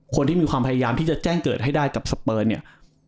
คนที่มีความพยายามที่จะแจ้งเกิดให้ได้กับสเปอร์เนี่ย